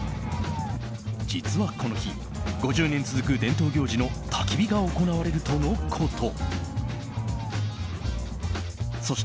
実はこの日５０年続く伝統行事のたき火が行われるとのこと。